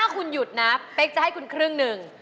คุณหยุดนะเป๊กจะให้คุณครึ่งหนึ่ง